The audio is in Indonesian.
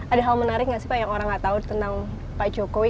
ada hal menarik gak sih pak yang orang gak tau tentang pak jokowi